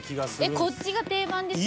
こっちが定番ですよ